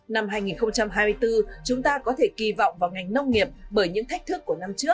năm hai nghìn hai mươi bốn chúng ta có thể kỳ vọng vào ngành nông nghiệp bởi những thách thức của năm hai nghìn hai mươi